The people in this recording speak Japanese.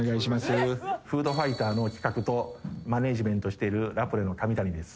フードファイターの企画とマネージメントしてるラプレの上谷です